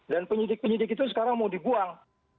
dan penyidik penyidik itu sekarang mau dibuang